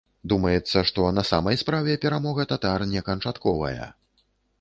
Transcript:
Думаецца, што на самай справе перамога татар не канчатковая.